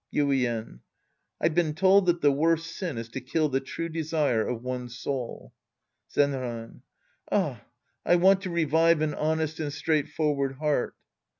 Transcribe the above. Yuien. I've been told that the worst sin is to kill the true desire of one's soul. Zenran. Ah, I want to revive an honest and straightforward heart.